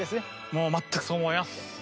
もう全くそう思います！